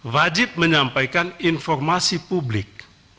wajib menyampaikan informasi publik